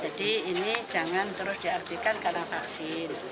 jadi ini jangan terus diartikan karena vaksin